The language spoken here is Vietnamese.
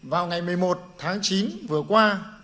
vào ngày một mươi một tháng chín vừa qua